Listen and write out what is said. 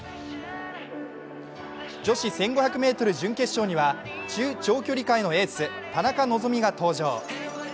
女子１５００ｍ準決勝には、中長距離界のエース・田中希実が登場。